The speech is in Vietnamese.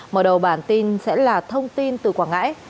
mở đầu bản tin sẽ là thông tin từ quảng ngãi